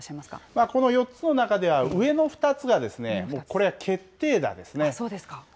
この４つの中では、上の２つがもうこれ、決定打ですね。